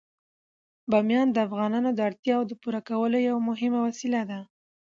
بامیان د افغانانو د اړتیاوو د پوره کولو یوه مهمه وسیله ده.